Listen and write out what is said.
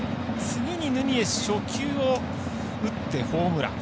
次にヌニエス初球を打ってホームラン。